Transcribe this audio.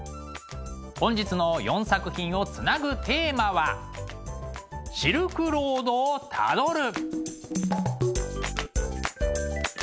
本日の４作品をつなぐテーマは「シルクロードをたどる」。